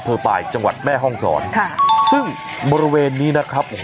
เผอร์ปายจังหวัดแม่ห้องสอนค่ะซึ่งบริเวณนี้นะครับโอ้